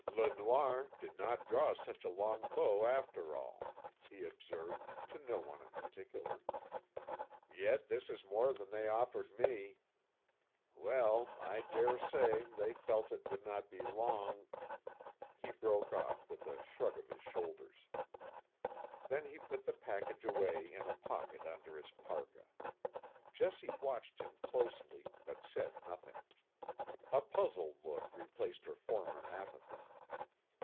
"Le Noir did not draw such a long bow, after all," he observed, to no one in particular. "Yet this is more than they offered me. Well, I dare say they felt that it would not be long——" He broke off, with a shrug of his shoulders. Then he put the package away in a pocket under his parka. Jessie watched him closely, but said nothing. A puzzled look replaced her former apathy.